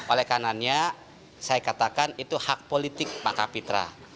oleh kanannya saya katakan itu hak politik pak kapitra